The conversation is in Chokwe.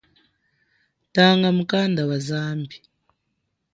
Tanga mukanda wa zambi.